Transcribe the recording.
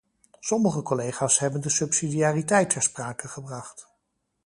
Sommige collega's hebben de subsidiariteit ter sprake gebracht.